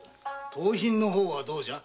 盗品の方はどうじゃ？